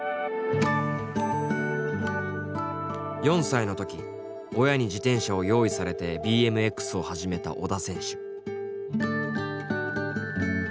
４歳の時親に自転車を用意されてＢＭＸを始めた織田選手。